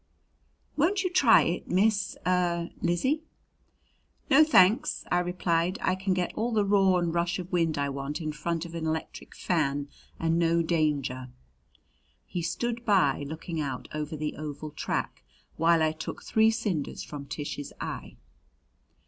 "Won't you try it, Miss er Lizzie?" "No, thanks," I replied. "I can get all the roar and rush of wind I want in front of an electric fan, and no danger." He stood by, looking out over the oval track while I took three cinders from Tish's eye.